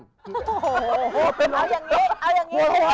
โถโห้เอาอย่างงี้